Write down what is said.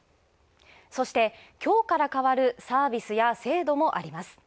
そして、きょうから変わるサービスや制度もあります。